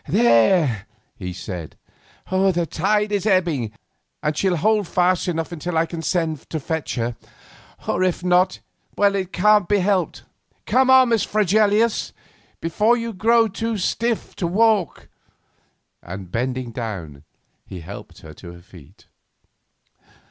"There," he said, "the tide is ebbing, and she'll hold fast enough until I can send to fetch her; or, if not, it can't be helped. Come on, Miss Fregelius, before you grow too stiff to walk;" and, bending down, he helped her to her feet.